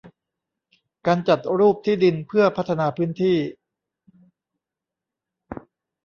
การจัดรูปที่ดินเพื่อพัฒนาพื้นที่